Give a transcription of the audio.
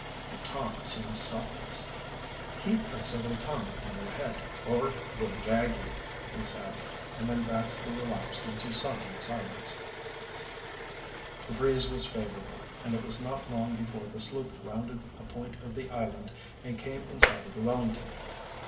But Tom soon stopped this. "Keep a civil tongue in your head, or we'll gag you," he said, and then Baxter relapsed into sullen silence. The breeze was favorable, and it was not long before the sloop rounded a point of the island and came in sight of the Wellington.